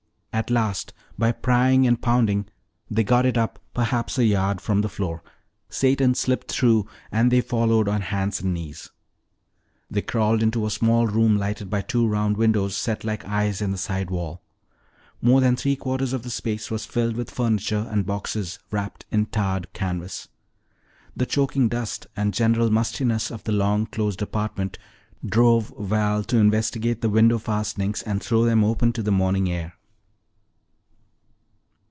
At last, by prying and pounding, they got it up perhaps a yard from the floor. Satan slipped through and they followed on hands and knees. They crawled into a small room lighted by two round windows set like eyes in the side wall. More than three quarters of the space was filled with furniture and boxes wrapped in tarred canvas. The choking dust and general mustiness of the long closed apartment drove Val to investigate the window fastenings and throw them open to the morning air.